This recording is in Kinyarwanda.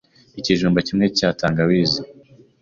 Ikijumba kimwe cya tangawizi